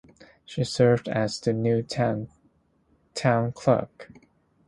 She served as the Newtown town clerk.